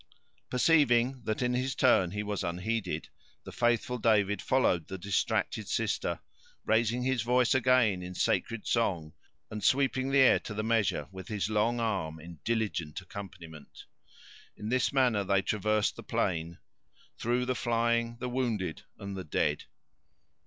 Perceiving that, in his turn, he was unheeded, the faithful David followed the distracted sister, raising his voice again in sacred song, and sweeping the air to the measure, with his long arm, in diligent accompaniment. In this manner they traversed the plain, through the flying, the wounded and the dead.